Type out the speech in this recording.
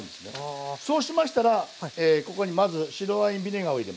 そうしましたらここにまず白ワインビネガーを入れます。